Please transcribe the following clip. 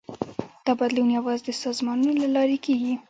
دا بدلون یوازې د سازمانونو له لارې کېږي.